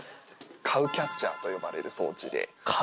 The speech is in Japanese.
カウキャッチャーと呼ばれる装置で。